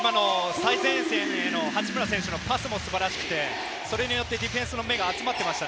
最前線への八村選手のパスも素晴らしくて、それによってディフェンスの目が集まっていました。